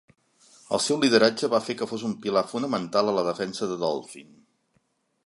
El seu lideratge va fer que fos un pilar fonamental a la defensa de Dolphin.